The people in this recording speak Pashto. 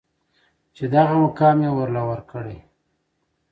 چې دغه مقام يې ورله ورکړې.